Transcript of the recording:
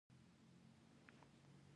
په دغه ورځ مازیګر زیارت ته ولاړو.